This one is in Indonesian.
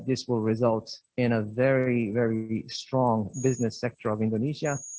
saya sangat percaya bahwa ini akan menyebabkan sektor bisnis yang sangat kuat di indonesia